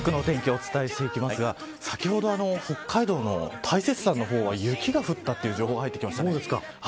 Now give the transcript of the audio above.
お伝えしていきますが先ほど北海道の大雪山の方は雪が降ったという情報が入ってきましたね。